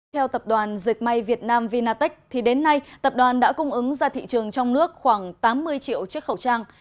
theo tập đoàn dệt may việt nam vinatech thì đến nay tập đoàn đã cung ứng ra thị trường trong nước khoảng tám mươi triệu chiếc khẩu trang